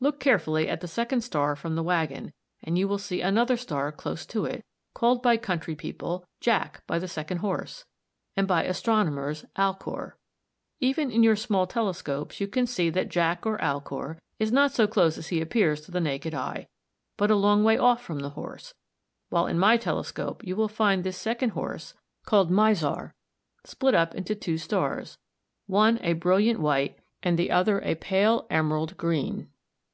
Look carefully at the second star from the waggon and you will see another star close to it, called by country people "Jack by the second horse," and by astronomers "Alcor." Even in your small telescopes you can see that Jack or Alcor is not so close as he appears to the naked eye, but a long way off from the horse, while in my telescope you will find this second horse (called Mizar) split up into two stars, one a brilliant white and the other a pale emerald green.